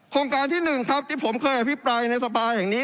โครงการที่๑ครับที่ผมเคยอภิไปในสรรพาหยังนี้